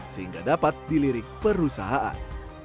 sehingga dapat dilirik perusahaan